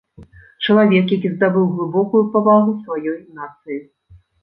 Чалавек, які здабыў глыбокую павагу сваёй нацыі.